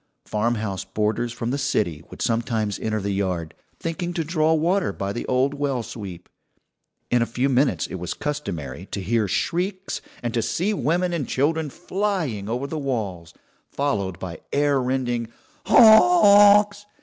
Farmhouse boarders from the city would sometimes enter the yard, thinking to draw water by the old well sweep; in a few minutes it was customary to hear shrieks, and to see women and children flying over the walls, followed by air rending "Honks!"